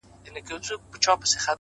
چي چي زړه وي تر هغو درپسې ژاړم!!